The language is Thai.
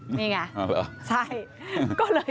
นี่ไงใช่